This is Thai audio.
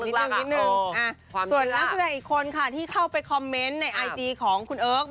ส่วนนักแรกอีกคนค่ะที่เข้าไปคอมเมนต์ในไอจีของคุณเอิ๊ก